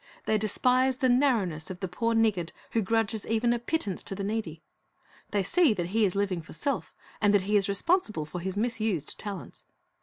They despise the narrowness of the poor niggard who grudges even a pittance to the needy. They see that he is living for self, and that he is responsible for his misused talents.